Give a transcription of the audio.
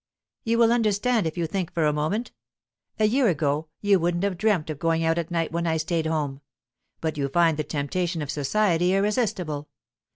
"You will understand it if you think for a moment. A year ago you wouldn't have dreamt of going out at night when I stayed at home. But you find the temptation of society irresistible.